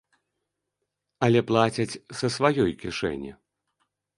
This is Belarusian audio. Але плацяць са сваёй кішэні.